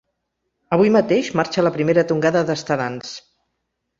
Avui mateix marxa la primera tongada d'estadants.